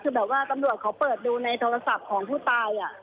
คือแบบว่าตำรวจเขาเปิดดูในโทรศัพท์ของผู้ตาย